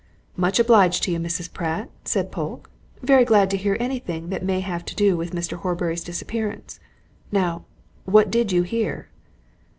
"Much obliged to you, Mrs. Pratt," said Polke. "Very glad to hear anything that may have to do with Mr. Horbury's disappearance. Now, what did you hear?"